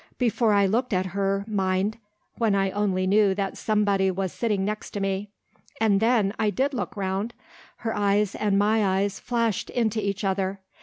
Before I looked at her, mind! when I only knew that somebody was sitting next to me. And then, I did look round. Her eyes and my eyes flashed into each other.